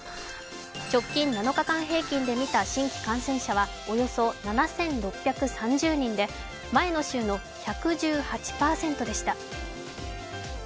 直近７日間平均で見た新規感染者はおよそ７６３０人で前の週の１１８％でした。